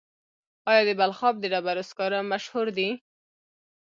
آیا د بلخاب د ډبرو سکاره مشهور دي؟